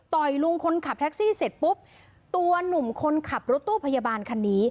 ลุงคนขับแท็กซี่เสร็จปุ๊บตัวหนุ่มคนขับรถตู้พยาบาลคันนี้